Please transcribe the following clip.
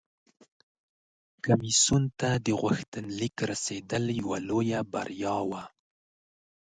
کمیسیون ته د غوښتنلیک رسیدل یوه لویه بریا وه